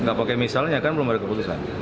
nggak pakai misalnya kan belum ada keputusan